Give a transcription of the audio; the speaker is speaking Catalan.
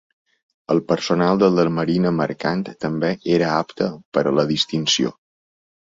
El personal de la Marina Mercant també era apte per a la distinció.